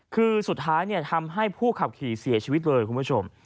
คือสุดท้ายทำให้ผู้ขับขี่เสียชีวิตเลยคุณผู้ชม